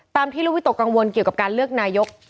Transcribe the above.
ที่ลูกวิตกกังวลเกี่ยวกับการเลือกนายก